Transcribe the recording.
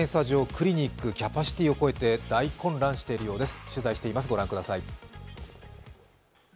ＰＣＲ検査場、クリニック、キャパシティーを超えて大混乱しているようです。